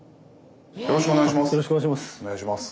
よろしくお願いします。